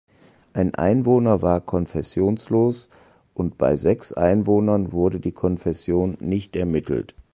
Ein Einwohner war konfessionslos und bei sechs Einwohnern wurde die Konfession nicht ermittelt.